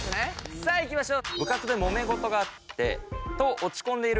さあいきましょう。